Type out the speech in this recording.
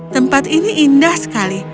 tempat ini indah sekali